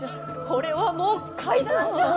これはもう怪談じゃあ！